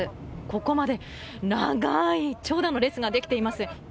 ここまで長い長蛇の列ができています。